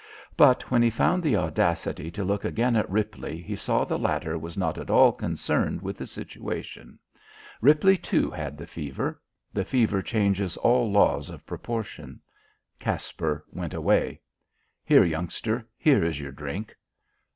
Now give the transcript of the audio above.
But when he found the audacity to look again at Ripley he saw the latter was not at all concerned with the situation. Ripley, too, had the fever. The fever changes all laws of proportion. Caspar went away. "Here, youngster; here is your drink."